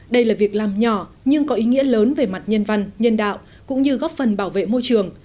đây là việc làm nhỏ nhưng có ý nghĩa lớn về mặt nhân văn nhân đạo cũng như góp phần bảo vệ môi trường